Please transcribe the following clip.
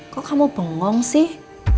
kok kamu bengong sih